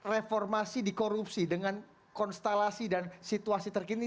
reformasi di korupsi dengan konstelasi dan situasi terkini